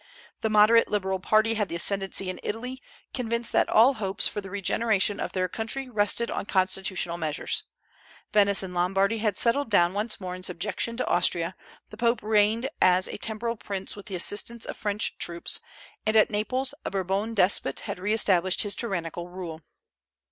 The moderate Liberal party had the ascendency in Italy, convinced that all hopes for the regeneration of their country rested on constitutional measures. Venice and Lombardy had settled down once more in subjection to Austria; the Pope reigned as a temporal prince with the assistance of French troops; and at Naples a Bourbon despot had re established his tyrannical rule.